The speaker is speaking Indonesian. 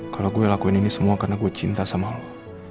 kalau gue lakuin ini semua karena gue cinta sama lo